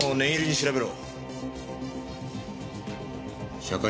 調べろ！